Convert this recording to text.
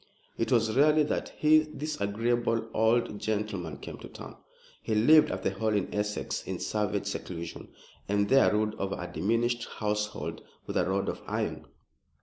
It was rarely that this agreeable old gentleman came to town. He lived at the Hall in Essex in savage seclusion, and there ruled over a diminished household with a rod of iron.